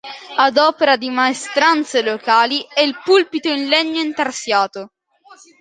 Ad opera di maestranze locali è il pulpito in legno intarsiato.